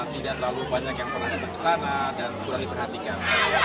tidak terlalu banyak yang pernah datang ke sana dan kurang diperhatikan